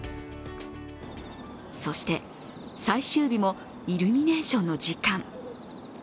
そして最終日もイルミネーションの時間。